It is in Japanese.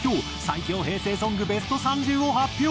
最強平成ソングベスト３０を発表！